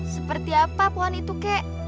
seperti apa pohon itu kek